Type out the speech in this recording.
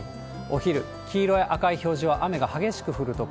お昼、黄色や赤い表示は雨が激しく降る所。